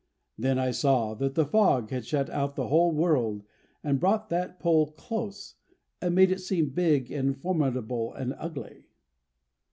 Then I saw that the fog had shut out the whole world and brought that pole close, and made it seem big and formidable and ugly.